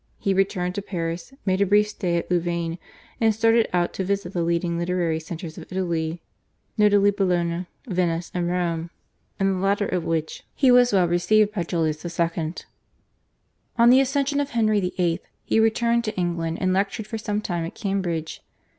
He returned to Paris, made a brief stay at Louvain, and started out to visit the leading literary centres of Italy, notably Bologna, Venice, and Rome, in the latter of which he was well received by Julius II. On the accession of Henry VIII. he returned to England and lectured for some time at Cambridge.